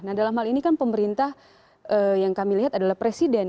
nah dalam hal ini kan pemerintah yang kami lihat adalah presiden